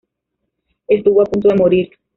Estuvo a punto de morir.